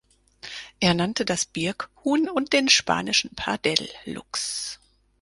Er nannte das Birkhuhn und den spanischen Pardelluchs.